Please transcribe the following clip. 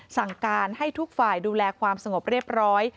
สั่งการให้ทุกฝ่ายดูแลความสงบเรียบร้อย